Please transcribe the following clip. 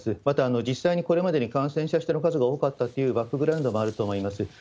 また実際にこれまでに感染した人の数が多かったというバックグラウンドもあると思います。